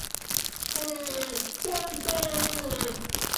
Ralf Schmacher was third fastest, ahead of his Williams teammate Montoya.